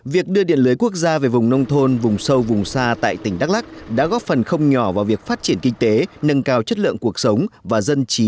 việc đưa điện lưới quốc gia về vùng nông thôn vùng sâu vùng xa tại tỉnh đắk lắc đã góp phần không nhỏ vào việc phát triển kinh tế nâng cao chất lượng cuộc sống và dân trí của bà con nơi đây